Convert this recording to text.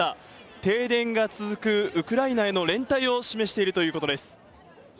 停電が続くウクライナへの連帯を示しているということです。